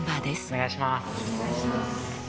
お願いします。